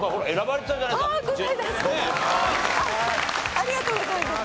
ありがとうございます。